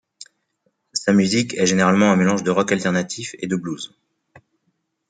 Sa musique est généralement un mélange de rock alternatif et de blues.